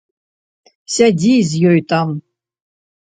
Сядзі з ёй там.